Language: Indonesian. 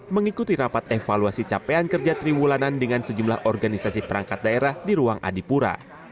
mengikuti rapat evaluasi capaian kerja triwulan dengan sejumlah organisasi perangkat daerah di ruang adipura